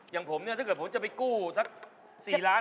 อย่างผมเนี่ยถ้าเกิดผมจะไปกู้สัก๔ล้าน